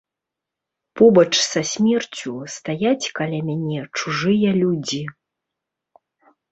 Побач са смерцю стаяць каля мяне чужыя людзі.